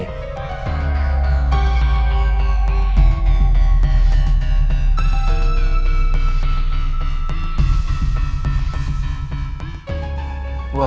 ya tapi aku suka